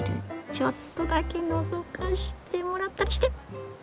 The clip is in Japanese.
ちょっとだけのぞかしてもらったりして。